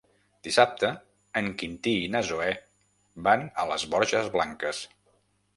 Dissabte en Quintí i na Zoè van a les Borges Blanques.